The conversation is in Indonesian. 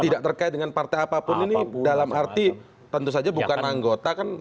tidak terkait dengan partai apapun ini dalam arti tentu saja bukan anggota kan